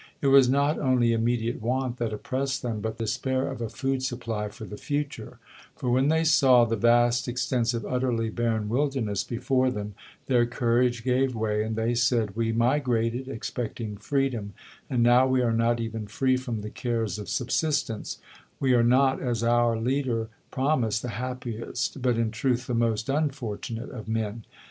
It was not only immediate want that oppressed them, but despair of a food supply for the future; for when they saw the vast, extensive, utterly barren wilderness before them, their courage gave way, and they said: "We migrated, expecting freedom, and now we are not even free from the cares of subsistence; we are not, as out leader promised, the happiest, but in truth the most unfortunate of men.